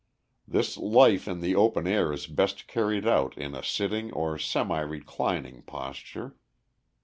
This life in the open air is best carried out in a sitting or semi reclining posture.